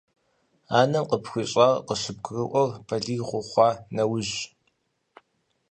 Анэм къыпхуищӀар къыщыбгурыӀуэр балигъыфӀ ухъуа нэужьщ.